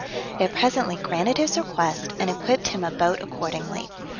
They presently granted his request, and equipped him a boat accordingly.